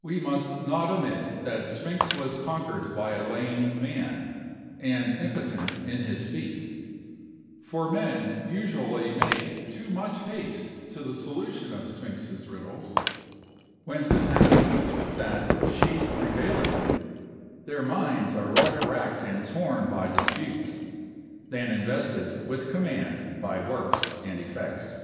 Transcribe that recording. We must not omit that Sphinx was conquered by a lame man, and impotent in his feet; for men usually make too much haste to the solution of Sphinx's riddles; whence it happens, that she prevailing, their minds are rather racked and torn by disputes, than invested with command by works and effects.